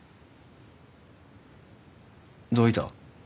どういた？